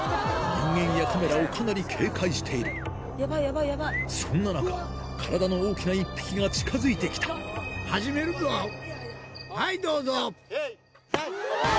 人間やカメラをかなり警戒しているそんな中体の大きな１匹が近づいてきたおぉ！